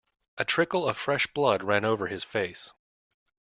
A trickle of fresh blood ran over his face.